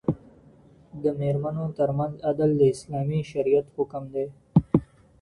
د ميرمنو تر منځ عدل د اسلامي شريعت حکم دی.